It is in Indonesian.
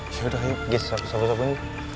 yaudah yuk guys sabun sabun sabun